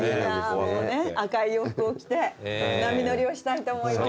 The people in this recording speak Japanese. もうね赤い洋服を着て波乗りをしたいと思います。